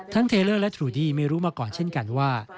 เทเลอร์และทรูดี้ไม่รู้มาก่อนเช่นกันว่า